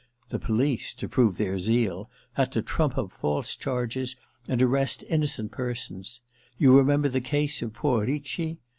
The police, to prove their zeal, had to trump up false charges and arrest innocent persons — you remember the case of poor Ricci